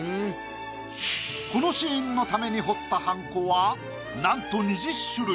このシーンのために彫ったはんこはなんと２０種類。